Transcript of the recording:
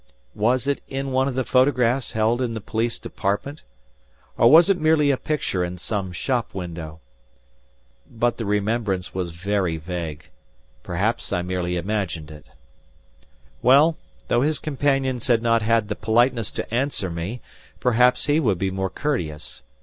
Was it in one of the photographs held in the police department, or was it merely a picture in some shop window? But the remembrance was very vague. Perhaps I merely imagined it. Well, though his companions had not had the politeness to answer me, perhaps he would be more courteous.